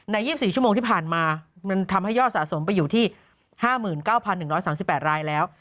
๒๔ชั่วโมงที่ผ่านมามันทำให้ยอดสะสมไปอยู่ที่๕๙๑๓๘รายแล้ว